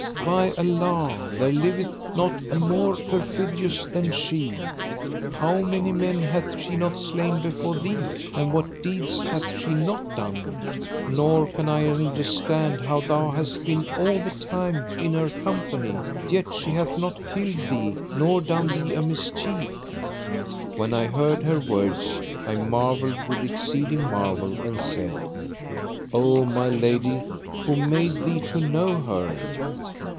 By Allah, there liveth not a more perfidious than she. How many men hath she not slain before thee and what deeds hath she not done. Nor can I understand how thou hast been all the time in her company, yet she hath not killed thee nor done thee a mischief." When I heard her words, I marvelled with exceeding marvel and said, "O my lady, who made thee to know her?"